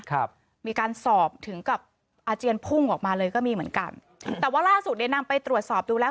ครับมีการสอบถึงกับอาเจียนพุ่งออกมาเลยก็มีเหมือนกันแต่ว่าล่าสุดเนี่ยนำไปตรวจสอบดูแล้ว